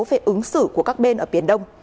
về ứng xử của các bên ở biển đông